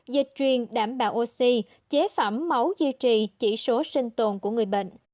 dịch truyền đảm bảo oxy chế phẩm máu duy trì chỉ số sinh tồn của người bệnh